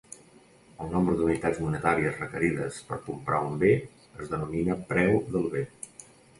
El nombre d'unitats monetàries requerides per comprar un bé es denomina preu del bé.